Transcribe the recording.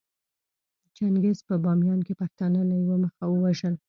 چنګېز په باميان کې پښتانه له يوه مخه ووژل